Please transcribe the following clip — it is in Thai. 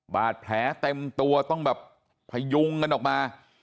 บาดแผลเต็มตัวต้องแบบพยุงกันออกมา